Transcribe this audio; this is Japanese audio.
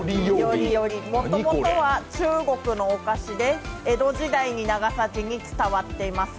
もともとは中国のお菓子で江戸時代に長崎に伝わっています。